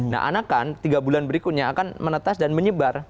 nah anakan tiga bulan berikutnya akan menetas dan menyebar